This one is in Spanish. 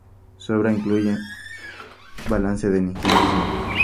Su obra incluye "Balance del indigenismo.